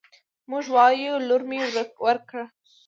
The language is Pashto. موږ وايو: لور مې ورکړ